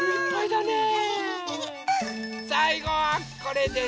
さいごはこれです。